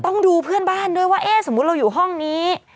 ต้องดูเพื่อนบ้านด้วยว่าเอ๊ะสมมุติเราอยู่ห้องนี้